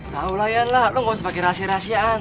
tau lah iyan lah lu gak usah pake rahasia dua an